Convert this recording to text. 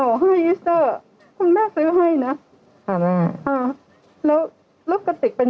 ให้เอสเตอร์คุณแม่ซื้อให้นะอ่าแม่อ่าแล้วแล้วกระติกเป็น